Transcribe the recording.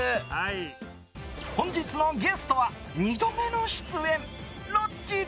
本日のゲストは２度目の出演ロッチ。